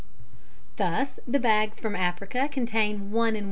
thus the bags from Africa contain 1 1/4 cwts.